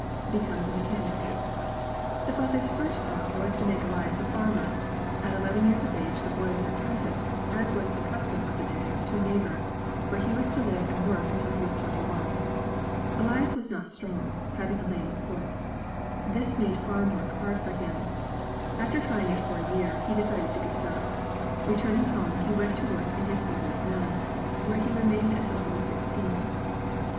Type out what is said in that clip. Becomi:s a Mechanic The father's first thought was to make Elias a farmer. At eleven years of age the boy was apprenticed, as was the custom of the day, to a neighbor, where he was to live and work until he was twenty one. Elias was not strong, having a lame foot. This made farm work hard for him. After tr5dng it for a year, he decided to give it up. Re turning home he went to work in his father's mills, where he remained imtil he was sixteen.